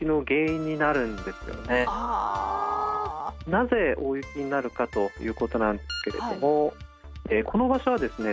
なぜ大雪になるかということなんですけれどもこの場所はですね